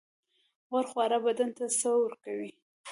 غوړ خواړه بدن ته څه ورکوي؟